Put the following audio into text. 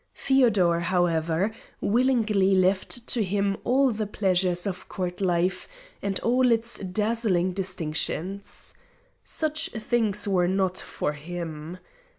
Feodor, however, willingly left to him all the pleasures of court life and all its dazzling distinctions. Such things were not for him.